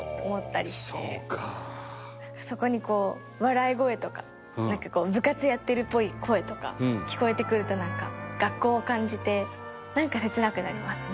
そこにこう笑い声とか部活やってるっぽい声とか聞こえてくると学校を感じてなんか切なくなりますね。